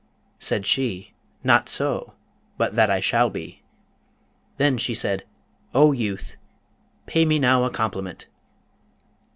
Said she, 'Not so, but that I shall be.' Then she said, 'O youth, pay me now a compliment!'